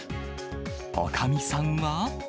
おかみさんは。